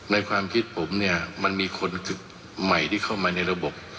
ในความคิดผมเนี่ยมันมีคนใหม่ที่เข้ามาในระบบ